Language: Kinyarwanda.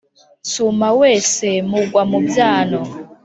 nsuma wese mugwa mu byano,